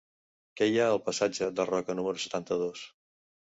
Què hi ha al passatge de Roca número setanta-dos?